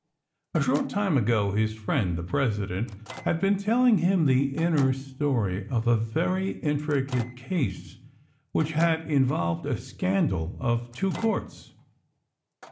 A short time ago his friend the President had been telling him the inner story of a very intricate case which had involved a scandal of two Courts.